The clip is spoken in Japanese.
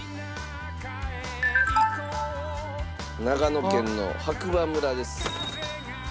長野県の白馬村です。